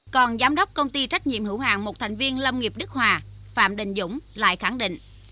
còn giám đốc công ty trách nhiệm hữu hàng một thành viên lâm nghiệp đức hòa phạm đình dũng lại khẳng định